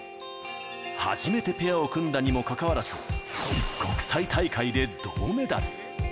初めてペアを組んだにもかかわらず、国際大会で銅メダル。